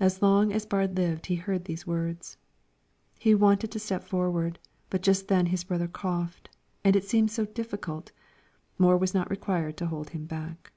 As long as Baard lived he heard these words. He wanted to step forward, but just then his brother coughed, and it seemed so difficult, more was not required to hold him back.